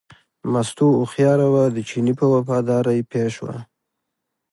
مستو هوښیاره وه، د چیني په وفادارۍ پوه شوه.